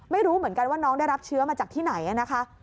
ไม่รู้เหมือนกันว่าน้องได้รับเชื้อมาจากที่ไหนนะคะ